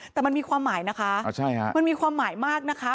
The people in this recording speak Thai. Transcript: แต่มันมีความหมายนะคะมันมีความหมายมากนะคะ